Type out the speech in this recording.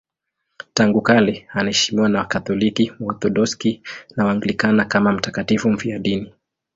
Tangu kale anaheshimiwa na Wakatoliki, Waorthodoksi na Waanglikana kama mtakatifu mfiadini.